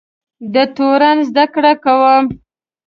د تورو زده کړه کوم.